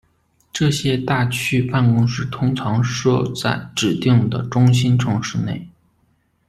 这些大区办公室通常设在指定的中心城市内。